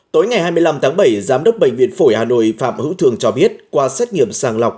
tối ngày hai mươi năm tháng bảy giám đốc bệnh viện phổi hà nội phạm hữu thường cho biết qua xét nghiệm sàng lọc